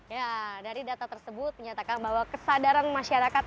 ya dari data tersebut menyatakan bahwa kesadaran masyarakat